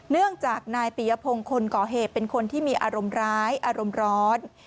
เนื่องจากนายปียพงศ์คนก่อเหตุเป็นคนที่มีอารมณ์ร้ายอารมณ์ร้อน